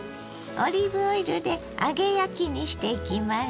オリーブオイルで揚げ焼きにしていきます。